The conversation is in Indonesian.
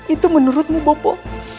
itu menurutmu bopo